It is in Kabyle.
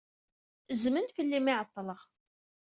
Zzmen fell-i imi ay ɛeḍḍleɣ.